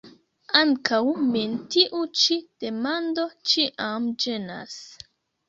Ankaŭ min tiu ĉi demando ĉiam ĝenas.